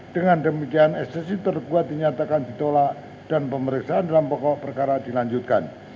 dengan demikian sensi terkuat dinyatakan ditolak dan pemeriksaan dalam pokok perkara dilanjutkan